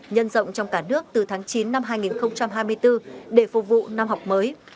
nhân rộng trong cả nước từ tháng chín năm hai nghìn hai mươi bốn để phục vụ năm học mới